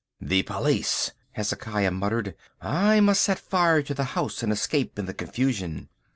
"The police!" Hezekiah muttered. "I must set fire to the house and escape in the confusion."